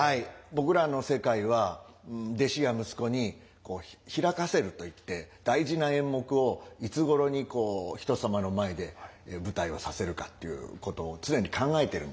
僕らの世界は弟子や息子に披かせると言って大事な演目をいつごろにこう人様の前で舞台をさせるかっていうことを常に考えているんです。